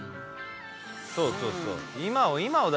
そうそうそう。